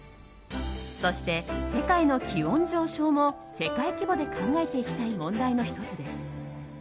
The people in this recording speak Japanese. そして、世界の気温上昇も世界規模で考えていきたい問題の１つです。